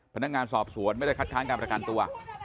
พนักงานสอบสวนไม่ได้คัดค้างการประกันตัว